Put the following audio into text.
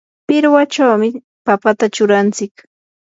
pirwachawmi papata churanchik.